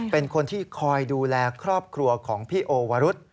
เป็นคนที่คอยดูแลครอบครัวของพี่โอวรุษ